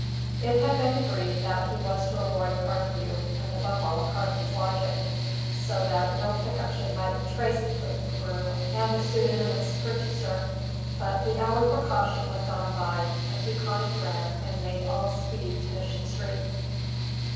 It had been agreed that he was to avoid Carthew, and above all Carthew's lodging, so that no connexion might be traced between the crew and the pseudonymous purchaser. But the hour for caution was gone by, and he caught a tram and made all speed to Mission Street.